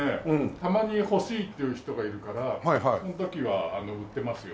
たまに欲しいっていう人がいるからその時は売ってますよ。